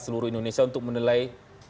seluruh indonesia untuk menilai